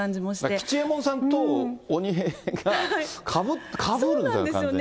吉右衛門さんと鬼平がかぶるみたいな感じですよね。